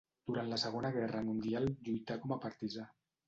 Durant la Segona Guerra Mundial lluità com a partisà.